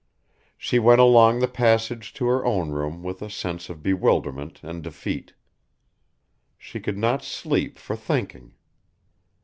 She went along the passage to her own room with a sense of bewilderment and defeat. She could not sleep for thinking.